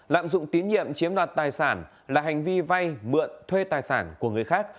lạm dụng tín nhiệm chiếm đoạt tài sản là hành vi vay mượn thuê tài sản của người khác